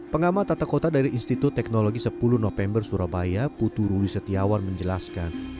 pengamat tata kota dari institut teknologi sepuluh november surabaya putu ruli setiawan menjelaskan